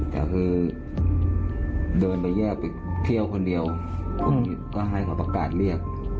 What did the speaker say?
แต่คือเดินไปแยกไปเที่ยวคนเดียวก็ให้เขาประกาศเรียก